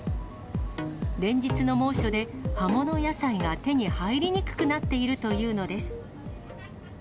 連日の猛暑で、葉物野菜が手に入りにくくなっているというのです。